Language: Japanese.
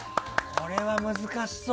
これは難しそう。